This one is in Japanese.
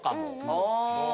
ああ。